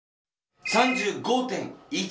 ３５．１℃！